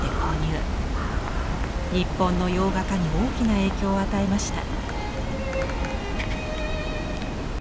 日本の洋画家に大きな影響を与えました。